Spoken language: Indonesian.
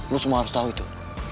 lu semua harus tau itu